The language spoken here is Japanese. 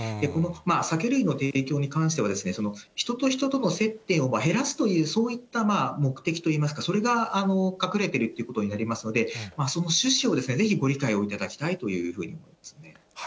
酒類の提供に関しては、人と人との接点を減らすという、そういった目的といいますか、それが隠れているということになりますので、その趣旨をぜひご理解をいただきたいというふうに思いますね。